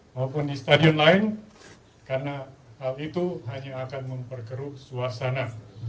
maupun di stadion lain karena hal itu hanya akan memperkeruh suasana